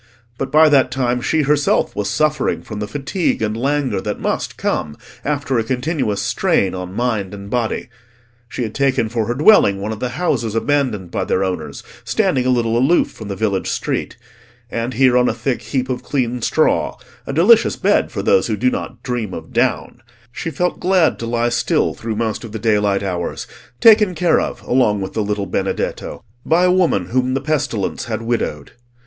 But by that time she herself was suffering from the fatigue and languor that must come after a continuous strain on mind and body. She had taken for her dwelling one of the houses abandoned by their owners, standing a little aloof from the village street; and here on a thick heap of clean straw—a delicious bed for those who do not dream of down—she felt glad to lie still through most of the daylight hours, taken care of along with the little Benedetto by a woman whom the pestilence had widowed.